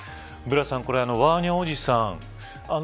ブラスさん、ワーニャ伯父さん